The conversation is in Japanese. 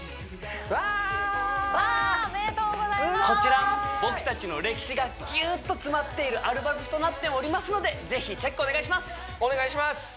こちら僕達の歴史がギューッと詰まっているアルバムとなっておりますので是非チェックお願いします！